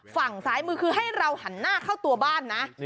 ฝั่งซ้ายมือคือให้เราหันหน้าเข้าตัวบ้านนะ